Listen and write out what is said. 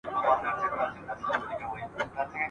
يوسف عليه السلام به څاه ته اچوي.